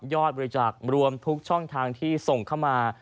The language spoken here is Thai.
บริจาครวมทุกช่องทางที่ส่งเข้ามา